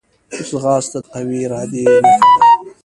ځغاسته د قوي ارادې نښه ده